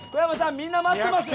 みんな待ってますよ